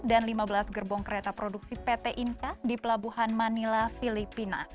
dan lima belas gerbong kereta produksi pt inka di pelabuhan manila filipina